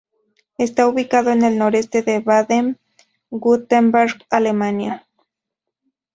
Está ubicado en el noreste de Baden-Württemberg, Alemania.